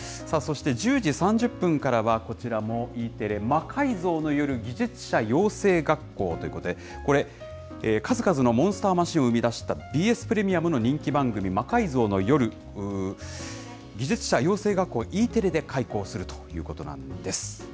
そして、１０時３０分からは、こちらもＥテレ、魔改造の夜技術者養成学校ということで、これ、数々のモンスターマシンを生み出したＢＳプレミアムの人気番組、魔改造の夜技術者養成学校、Ｅテレで開校するということなんです。